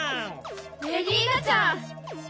レディー・ガチャ！